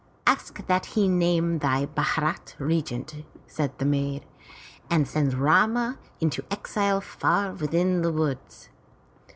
*'Ask that he name thy Bharat regent," said the maid, *'and send Rama into exile far within the woods.'